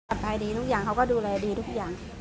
สบายดีทุกอย่างเขาก็ดูแลดีทุกอย่าง